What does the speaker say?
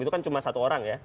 itu kan cuma satu orang ya